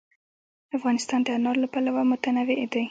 افغانستان د انار له پلوه متنوع دی.